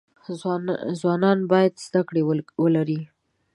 ځوانان باید زده کړی ولری